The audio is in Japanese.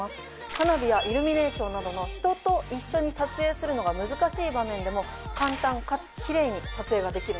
花火やイルミネーションなどの人と一緒に撮影するのが難しい場面でも簡単かつキレイに撮影ができるんですよ。